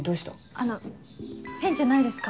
あの変じゃないですか？